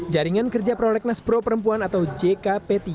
jaringan kerja pro legness pro perempuan atau jkp tiga